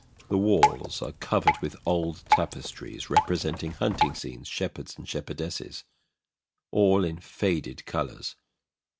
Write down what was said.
The walls are covered with old tapestries, representing hunting scenes, shepherds and shepherdesses, all in faded colours.